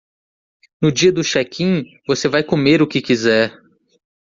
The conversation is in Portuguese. No dia do check-in, você vai comer o que quiser.